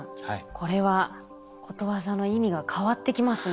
これはことわざの意味が変わってきますね。